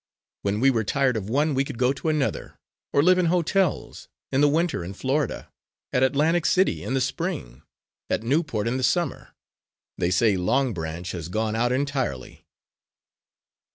When we were tired of one we could go to another, or live in hotels in the winter in Florida, at Atlantic City in the spring, at Newport in the summer. They say Long Branch has gone out entirely."